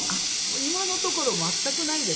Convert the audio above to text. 今のところ全くないですね。